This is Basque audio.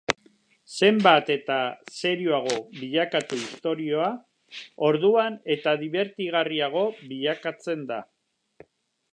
Zenbat eta serioago bilakatu istorioa, orduan eta dibertigarriago bilakatzen da.